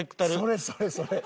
それそれそれ。